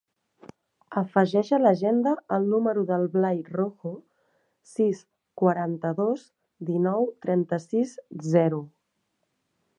Afegeix a l'agenda el número del Blai Rojo: sis, quaranta-dos, dinou, trenta-sis, zero.